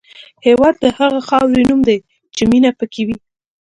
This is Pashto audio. هېواد د هغې خاورې نوم دی چې مینه پکې وي.